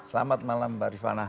selamat malam mbak rifana